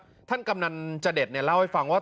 ท่านกำนันจเดชเนี่ยเล่าให้ฟังว่า